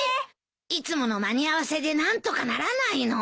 いつもの間に合わせで何とかならないの？